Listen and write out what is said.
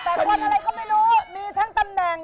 แต่คนอะไรก็ไม่รู้มีทั้งตำแหน่ง